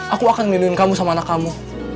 aku akan milihin kamu sama anak kamu